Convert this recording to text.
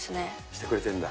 してくれてるんだ？